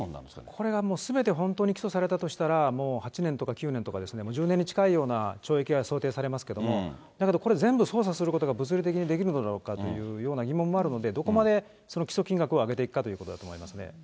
これはもうすべて本当に起訴されたとしたら、もう８年とか９年とかですね、１０年に近いような懲役が想定されますけれども、だけどこれ、全部捜査することが物理的にできるのだろうかというような疑問もあるので、どこまで起訴金額を上げていくかということだと思いますね。